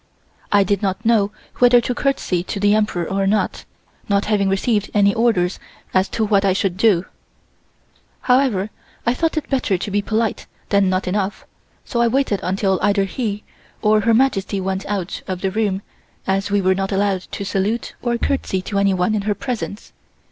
I did not know whether to courtesy to the Emperor or not, not having received any orders as to what I should do. However, I thought it better to be too polite than not enough, so I waited until either he or Her Majesty went out of the room, as we were not allowed to salute or courtesy to anyone in her presence.